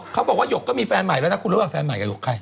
เขาบอกว่าหยกก็มีแฟนใหม่แล้วนะคุณระหว่างแฟนใหม่กับหกใคร